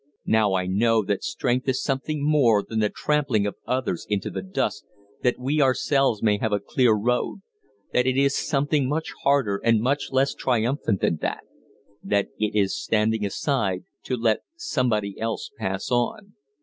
Now I know that strength is something more than the trampling of others into the dust that we ourselves may have a clear road; that it is something much harder and much less triumphant than that that it is standing aside to let somebody else pass on.